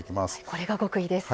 これが極意です。